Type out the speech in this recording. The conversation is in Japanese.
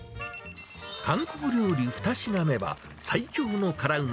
韓国料理２品目は、最強の辛うま！